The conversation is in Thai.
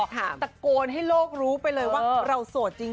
ตะโกนให้โลกรู้ไปเลยว่าเราโสดจริง